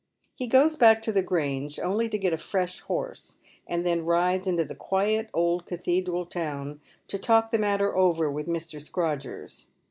He goes back to the Grange only to get a fresh horse, and then rides into the quiet old cathedral town to talk the matter over with Mr. Scrodgers.